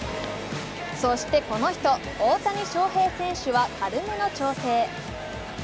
そして、この人、大谷翔平選手は軽めの調整。